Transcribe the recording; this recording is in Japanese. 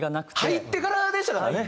入ってからでしたからね。